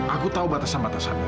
aku tau batasan batasannya